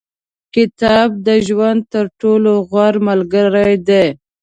• کتاب، د ژوند تر ټولو غوره ملګری دی.